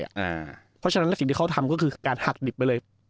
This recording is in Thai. เพราะฉะนั้นสิ่งที่เขาทำก็คือการหักดิบไปเลย